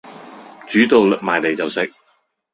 煮到埋嚟就食